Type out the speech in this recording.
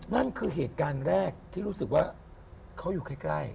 นั่นคือเหตุการณ์แรกที่รู้สึกว่าเขาอยู่ใกล้